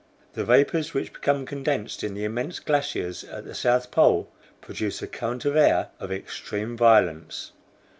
The vapors which become condensed in the immense glaciers at the South Pole produce a current of air of extreme violence.